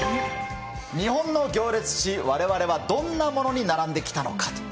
日本の行列史、われわれはどんなものに並んできたのかと。